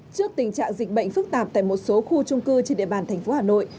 trước tình trạng dịch bệnh phức tạp tại một số khu trung cư trên địa bàn thành phố hà nội